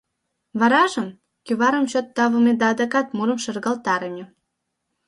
Варажым — кӱварым чот тавыме да адакат мурым шергылтарыме.